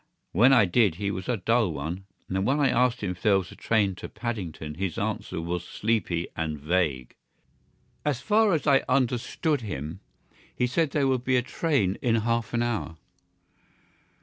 When I did he was a dull one, and when I asked him if there was a train to Paddington his answer was sleepy and vague. As far as I understood him, he said there would be a train in half an hour.